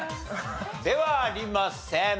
ではありません。